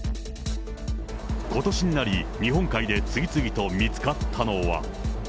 ことしになり、日本海で次々と見つかったのは。